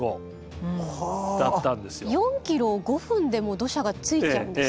４ｋｍを５分でもう土砂が着いちゃうんですか？